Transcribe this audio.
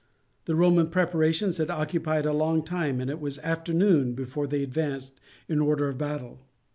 The Roman preparations had occupied a long time, and it was afternoon before they advanced in order of battle.